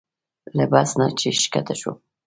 له بس نه چې ښکته شوم.